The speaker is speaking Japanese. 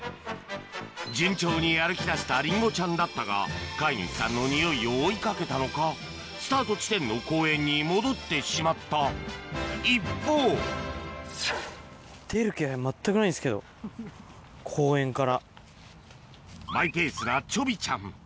順調に歩き出したリンゴちゃんだったが飼い主さんのスタート地点の公園に戻ってしまった一方マイペースなちょびちゃん